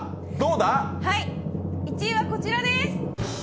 １位はこちらです！